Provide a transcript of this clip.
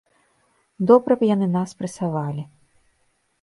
Добра б яны нас прэсавалі.